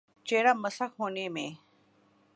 چہر ہ مسخ ہونے میں۔